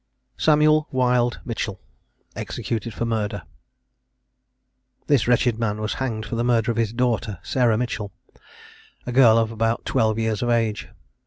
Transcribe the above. SAMUEL WILD MITCHELL. EXECUTED FOR MURDER. This wretched man was hanged for the murder of his daughter, Sarah Mitchell, a girl about twelve years of age.